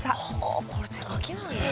これ手書きなんや。